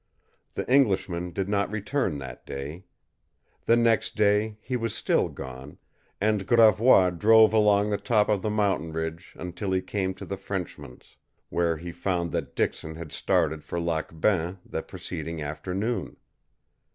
The Englishman did not return that day. The next day he was still gone, and Gravois drove along the top of the mountain ridge until he came to the Frenchman's, where he found that Dixon had started for Lac Bain the preceding afternoon.